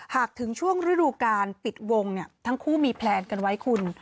หากถึงช่วงฤดูการปิดวงทั้งคู่มีแพลนกันไว้คุณ